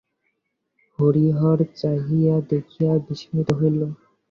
হরিহর চাহিয়া দেখিয়া বিস্মিত হইল।